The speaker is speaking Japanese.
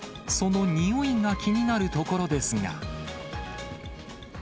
そのにおいが気になるところですが。